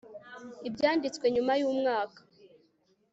ibyanditswe nyuma y'umwaka